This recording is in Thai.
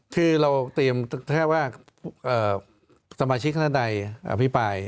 คือเราเตรียมแค่ว่าสมาชิกท่านใดอภิปราย